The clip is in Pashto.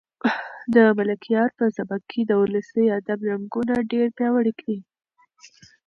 د ملکیار په سبک کې د ولسي ادب رنګونه ډېر پیاوړي دي.